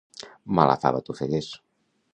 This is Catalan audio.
Mala fava t'ofegués.